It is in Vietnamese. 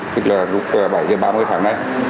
tức là lúc bảy h ba mươi tháng nay